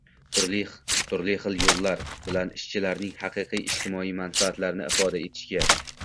turli xil yo‘llar bilan ishchilarning haqiqiy ijtimoiy manfaatlarini ifoda etishga